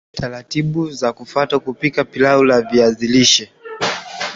Taratibbu za kufuata kupika pilau la viazi lishe